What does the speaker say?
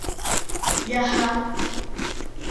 Jaha.